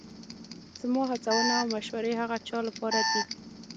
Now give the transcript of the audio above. زما هڅونه او مشورې هغه چا لپاره دي